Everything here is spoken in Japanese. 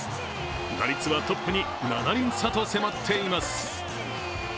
打率はトップに７厘差と迫っています。